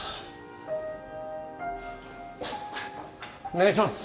お願いします